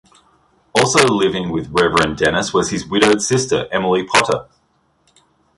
Also living with Reverend Dennis was his widowed sister, Emily Potter.